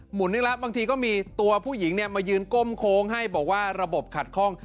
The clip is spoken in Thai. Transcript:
หมุนอีกแล้วบางทีก็มีตัวผู้หญิงเนี่ยมายืนก้มโค้งให้บอกว่าระบบขัดคล่อง